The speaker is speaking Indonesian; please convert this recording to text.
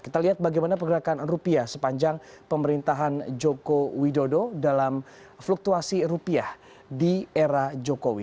kita lihat bagaimana pergerakan rupiah sepanjang pemerintahan joko widodo dalam fluktuasi rupiah di era jokowi